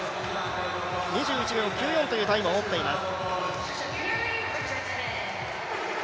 ２１秒９４というタイムを持っています。